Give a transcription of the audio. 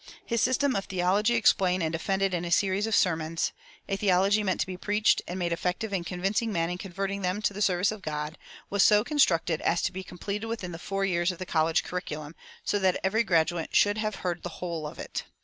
His system of "Theology Explained and Defended in a Series of Sermons," a theology meant to be preached and made effective in convincing men and converting them to the service of God, was so constructed as to be completed within the four years of the college curriculum, so that every graduate should have heard the whole of it.